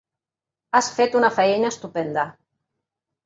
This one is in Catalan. Has fet una feina estupenda!